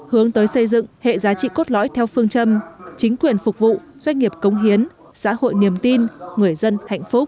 hướng tới xây dựng hệ giá trị cốt lõi theo phương châm chính quyền phục vụ doanh nghiệp công hiến xã hội niềm tin người dân hạnh phúc